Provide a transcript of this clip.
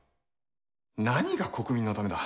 何が国民のためだ。